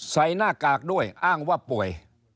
หน้ากากด้วยอ้างว่าป่วย